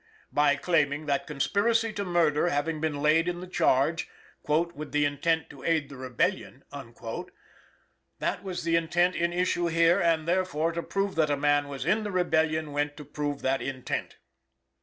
By claiming that conspiracy to murder having been laid in the charge, "with the intent to aid the Rebellion," that was the intent in issue here, and therefore to prove that a man was in the Rebellion went to prove that intent.